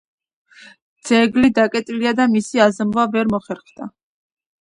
ძეგლი დაკეტილია და მისი აზომვა ვერ მოხერხდა.